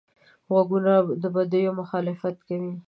غوږونه د بدیو مخالفت کوي